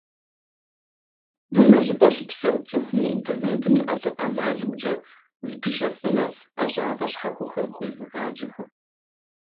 Дэнэ щӀыпӀэ щыпсэу цӀыхуми, интернетым и ӀэмалымкӀэ зыпищӀэфынущ ӀэщӀагъэ щхьэхуэхэм хуезыгъаджэхэм.